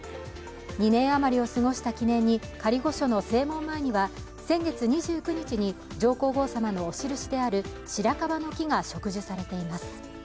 ２年余りを過ごした記念に仮御所の正門前には先月２９日に上皇后さまのお印である白樺の木が植樹されています。